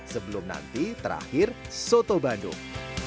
sebelum nanti terakhir soto bandung